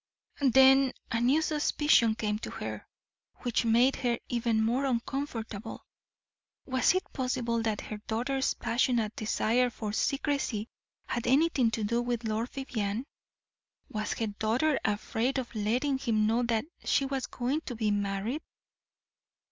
Then a new suspicion came to her, which made her even more uncomfortable. Was it possible that her daughter's passionate desire for secrecy had anything to do with Lord Vivianne? Was her daughter afraid of letting him know that she was going to be married?